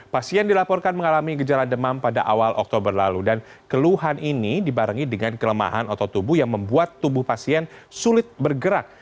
pasien dilaporkan mengalami gejala demam pada awal oktober lalu dan keluhan ini dibarengi dengan kelemahan otot tubuh yang membuat tubuh pasien sulit bergerak